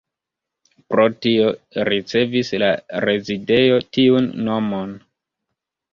Pro tio ricevis la rezidejo tiun nomon.